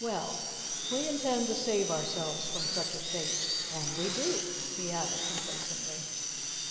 Well, we intend to save ourselves from such a fate, and we do," he added complacently.